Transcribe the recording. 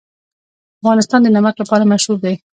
افغانستان د نمک لپاره مشهور دی.